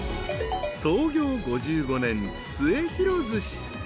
［創業５５年末廣鮨］